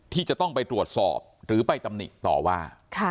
ที่จะต้องไปตรวจสอบหรือไปตำหนิต่อว่า